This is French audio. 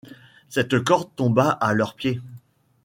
Cette corde tomba à leurs pieds.